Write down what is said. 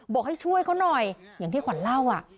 บอกให้ช่วยเขาหน่อยอย่างที่ขวัญเล่า